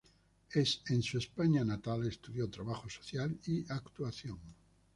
En su España natal estudió trabajo social y actuación.